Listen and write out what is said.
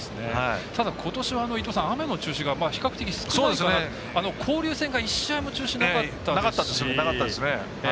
ただ、ことしは雨の中止が比較的少ないから交流戦が１試合も中止なかったですし。